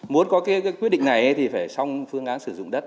muốn có cái quyết định này thì phải xong phương án sử dụng đất